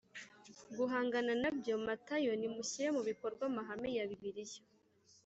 guhangana na byo Matayo Nimushyira mu bikorwa amahame ya Bibiliya